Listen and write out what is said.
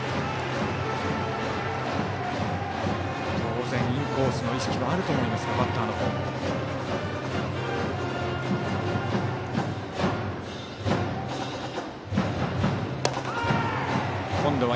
当然、インコースの意識はあると思いますがバッターのほうも。